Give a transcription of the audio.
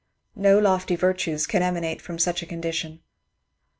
No lofty virtues can emanate from such a condi tion."